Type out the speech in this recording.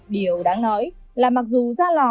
điều đáng nói là mặc dù ra lò